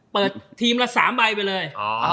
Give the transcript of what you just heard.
เปิดทีมละ๓ใบไปเลย